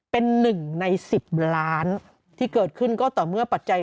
เป็นหนึ่งใน๑๐ล้านที่เกิดขึ้นก็ต่อเมื่อปัจจัย